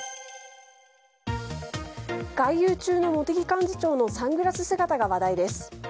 外遊中の茂木幹事長のサングラス姿が話題です。